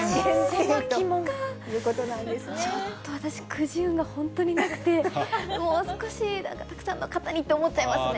ちょっと私、くじ運が本当になくて、もう少したくさんの方にって思っちゃいますね。